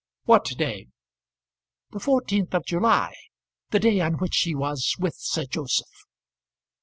"What day?" "The 14th of July, the day on which he was with Sir Joseph."